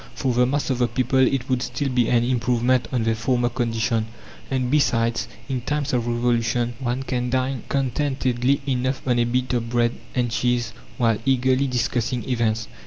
For the mass of the people it would still be an improvement on their former condition; and, besides, in times of Revolution one can dine contentedly enough on a bit of bread and cheese while eagerly discussing events.